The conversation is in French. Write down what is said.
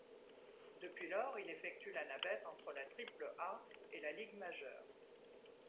Depuis lors, il effectue la navette entre la Triple-A et la Ligue majeure.